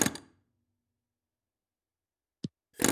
همیشه باید مثبت پاتې شئ.